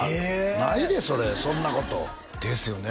ないでそれそんなことですよね